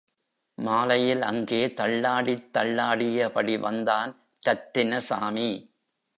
மாலையில் அங்கே தள்ளாடித் தள்ளாடியபடி வந்தான் ரத்தினசாமி.